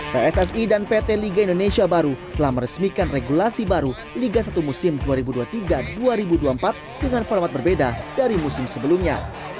pssi dan pt liga indonesia baru telah meresmikan regulasi baru liga satu musim dua ribu dua puluh tiga dua ribu dua puluh empat dengan format berbeda dari musim sebelumnya